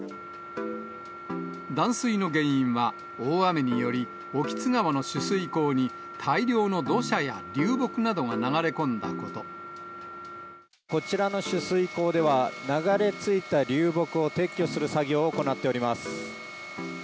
断水の原因は、大雨により興津川の取水口に大量の土砂や流木などが流れ込んだここちらの取水口では、流れ着いた流木を撤去する作業を行っています。